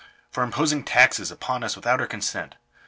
" For imposing taxes upon us without our consent.